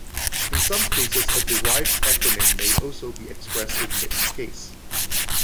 In some cases a derived acronym may also be expressed in mixed case.